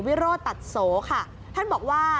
วิโรธตัดโสค่ะท่านบอกว่า